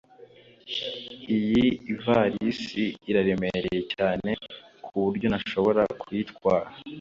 iyi ivarisi iraremereye cyane ku buryo ntashobora kuyitwara